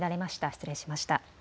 失礼しました。